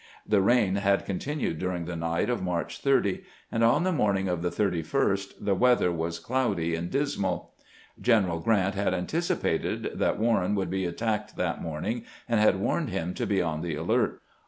The rain had continued during the night of March 30, and on the morning of the 31st the weather was cloudy and dismal. General Grant had anticipated that Warren would be attacked that morning, and had warned him to be on the alert.